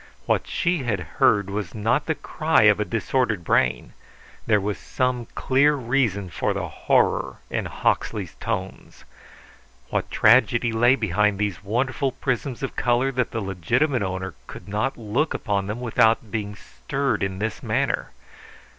What she had heard was not the cry of a disordered brain. There was some clear reason for the horror in Hawksley's tones. What tragedy lay behind these wonderful prisms of colour that the legitimate owner could not look upon them without being stirred in this manner?